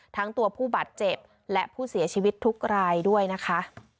ทั้งตัวผู้บาดเจ็บและผู้เสียชีวิตทุกรายด้วยนะคะ